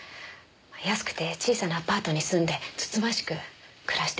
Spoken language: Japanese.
安くて小さなアパートに住んでつつましく暮らしていました。